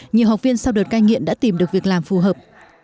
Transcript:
nhiều học viên sau đợt ca nhiễn đã tìm được việc làm phù hợp